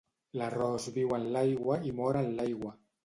L'arròs viu en l'aigua i mor en l'aigua.